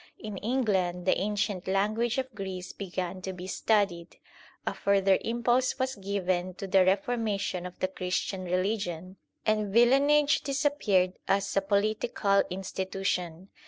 In England the ancient language of Greece began to be studied ; a further impulse was given to the reformation of the Christian religion ; and villenage disappeared as a political institution.